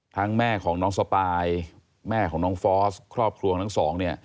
ทั้งแม่ของน้องสปายแม่ของน้องฟอร์ตครอบครัวทั้งสอง